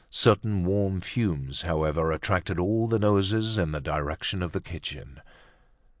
Certain warm fumes, however, attracted all the noses in the direction of the kitchen.